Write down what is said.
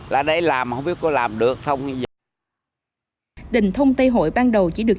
và vẫn giữ được cần nhiên nguyên vẹn cấu trúc